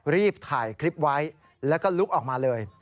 รีบถ่ายคลิปไว้แล้วก็ลุกออกมาเลย